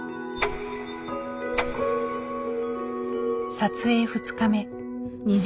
撮影２日目。